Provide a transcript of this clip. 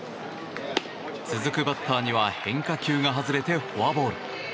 続くバッターには変化球が外れてフォアボール。